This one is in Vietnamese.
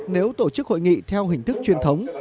nếu tổ chức hội nghị theo hình thức truyền thống